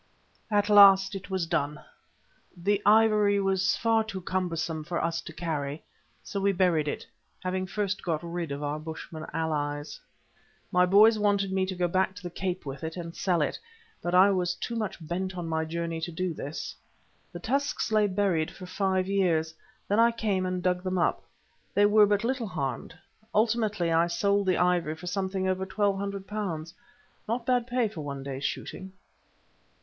At last it was done. The ivory was far too cumbersome for us to carry, so we buried it, having first got rid of our bushmen allies. My boys wanted me to go back to the Cape with it and sell it, but I was too much bent on my journey to do this. The tusks lay buried for five years. Then I came and dug them up; they were but little harmed. Ultimately I sold the ivory for something over twelve hundred pounds—not bad pay for one day's shooting.